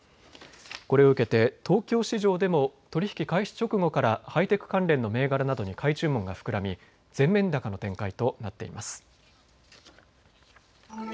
これを受けて東京市場でも取り引き開始直後からハイテク関連の銘柄などに買い注文が膨らみ全面高の展開となっています。